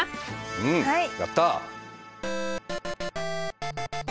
うんやった。